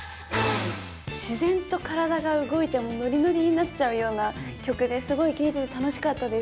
自然と体が動いてもうノリノリになっちゃうような曲ですごい聴いてて楽しかったです。